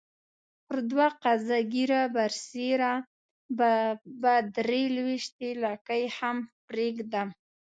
پر دوه قبضه ږیره برسېره به درې لويشتې لکۍ هم پرېږدم.